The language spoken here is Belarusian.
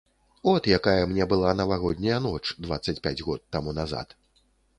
От якая мне была навагодняя ноч дваццаць пяць год таму назад.